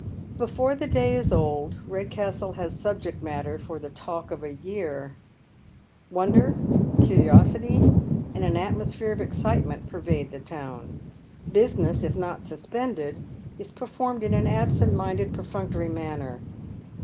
Before the day is old, Redcastle has subject matter for the talk of a year. Wonder, curiosity, and an atmosphere of excitement pervade the town. Business, if not suspended, is performed in an absent minded, perfunctory manner.